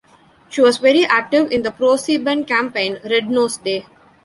She was very active in the Pro-Sieben campaign Red Nose Day.